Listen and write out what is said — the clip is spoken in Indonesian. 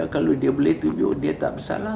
kalau dia bisa menunjukkan dia tidak bersalah